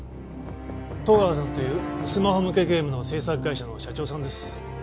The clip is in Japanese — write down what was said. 戸川さんというスマホ向けゲームの制作会社の社長さんです。